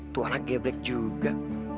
tuh anak geblek juga